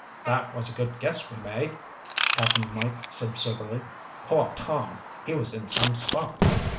'" "That was a good guess we made," Cap'n Mike said soberly. "Poor Tom. He was in some spot.